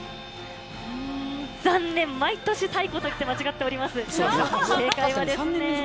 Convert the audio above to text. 残念、毎年、西湖といって間違っております。